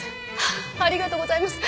ありがとうございます！